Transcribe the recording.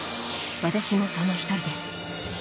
私もその一人です